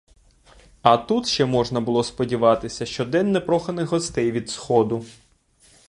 А тут ще можна було сподіватися щодень непроханих гостей від сходу.